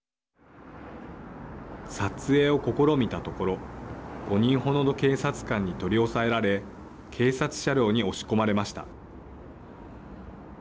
撮影を試みたところ５人程の警察官に取り押さえられ警察車両に押し込まれました。